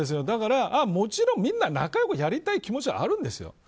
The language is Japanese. だからもちろんみんな仲良くやりたい気持ちはあるんですよ。